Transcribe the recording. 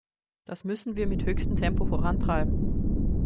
Das müssen wir mit höchstem Tempo vorantreiben.